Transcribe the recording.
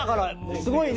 すごいね。